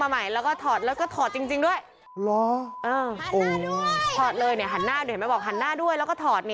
เห็นไหมบอกหันหน้าด้วยแล้วก็ถอด